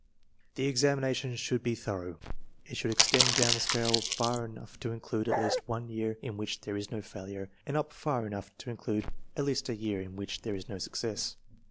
The examination should be thorough. It should extend down the scale far enough to include at least one year in which there is no failure, and up far enough to include at least a year in which there is no success.